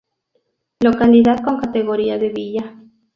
Localidad con categoría de villa.